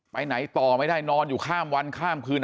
ไปไหนต่อไม่ได้นอนอยู่ข้ามวันข้ามคืน